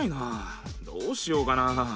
どうしようかな？